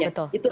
iya betul betul